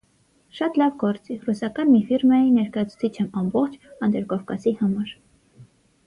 - Շատ լավ գործի, ռուսական մի ֆիրմայի ներկայացուցիչ եմ ամբողջ Անդրկովկասի համար: